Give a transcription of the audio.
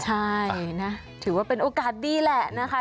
ใช่นะถือว่าเป็นโอกาสดีแหละนะคะ